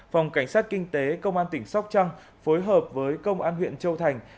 phòng cảnh sát kinh tế công an tỉnh sóc trăng phối hợp với công an huyện châu thành